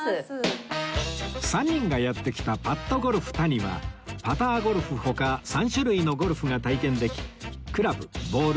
３人がやって来たパットゴルフタニはパターゴルフ他３種類のゴルフが体験できクラブボール